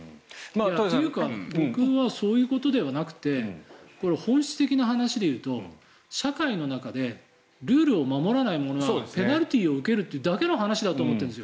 僕はそういうことではなくて本質的な話で言うと社会の中でルールを守らない者がペナルティーを受けるというだけの話だと思うんです。